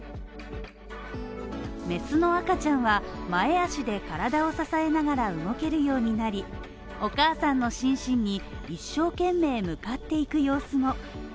メスの赤ちゃんは、前足で体を支えながら動けるようになり、お母さんのシンシンに一生懸命向かっていく様子も。